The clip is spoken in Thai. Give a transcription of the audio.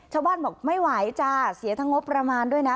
บอกไม่ไหวจ้าเสียทั้งงบประมาณด้วยนะ